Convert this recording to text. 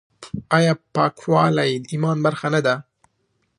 آیا پاکوالی د ایمان برخه نه ده؟